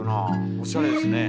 おしゃれですねえ。